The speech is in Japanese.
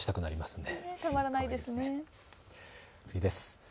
次です。